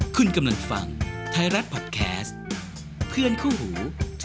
คุณกำลังฟังไทยรัฐพอดแคสต์เพื่อนคู่หู